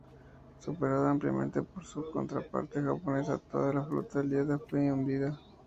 Superada ampliamente por su contraparte japonesa, toda la flota aliada fue hundida.